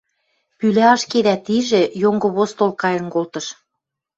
Пӱлӓ ашкедӓт ижӹ, йонгы постол кайын колтыш.